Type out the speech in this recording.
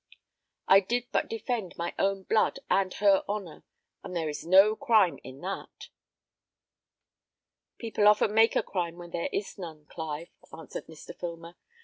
I did but defend my own blood and her honour, and there is no crime in that." "People often make a crime where there is none, Clive," answered Mr. Filmer.